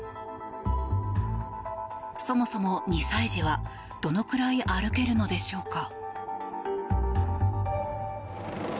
そもそも、２歳児はどのくらい歩けるのでしょうか。